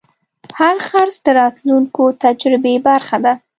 هر خرڅ د راتلونکي تجربې برخه ده.